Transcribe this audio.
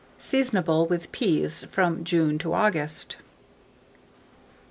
Seasonable, with peas, from June to August.